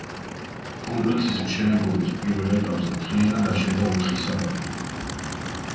კომპლექსის მშენებლობის პირველ ეტაპზე მთლიანად აშენდა ოთხი საბაგირო.